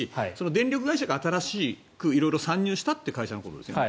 電力会社が新しく色々参入したということですよね。